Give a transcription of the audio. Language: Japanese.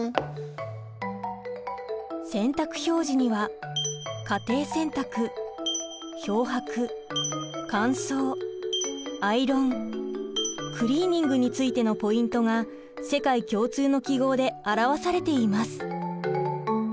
洗濯表示には「家庭洗濯」「漂白」「乾燥」「アイロン」「クリーニング」についてのポイントが世界共通の記号で表されています。